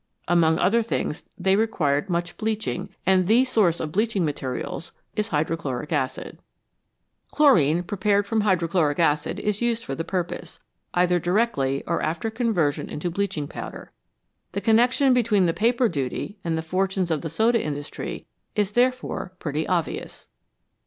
Among other things, they required much bleaching, and the source of bleaching materials is hydrochloric acid. Chlorine, prepared from hydrochloric acid, is used for the purpose, either directly or after conversion into bleaching powder. The connec tion between the paper duty and the fortunes of the soda industry is therefore pretty obvious.